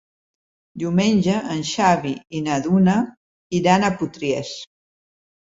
Diumenge en Xavi i na Duna iran a Potries.